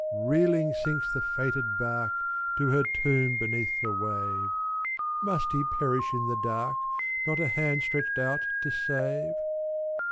"Reeling sinks the fated bark To her tomb beneath the wave: Must he perish in the dark Not a hand stretched out to save?